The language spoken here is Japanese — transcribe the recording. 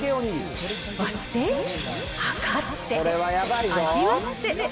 割って、量って、味わって。